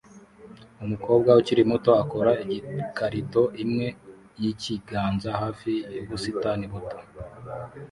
Umukobwa ukiri muto akora igikarito imwe yikiganza hafi yubusitani buto